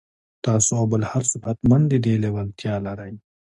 تاسې او بل هر څوک حتماً د دې لېوالتيا لرئ.